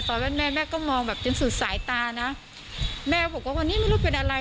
แม่แม่ก็มองแบบเต็มสุดสายตานะแม่บอกว่าวันนี้ไม่รู้เป็นอะไร